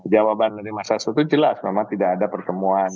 jawaban dari mas hasto itu jelas memang tidak ada pertemuan